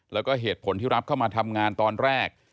แล้วก็เหตุผลที่รับเข้ามาทำงานตอนแรก